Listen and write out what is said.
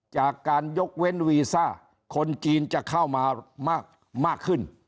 จากการยกเว้นวีซ่าคนจีนจะเข้ามามากขึ้น